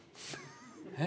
えっ？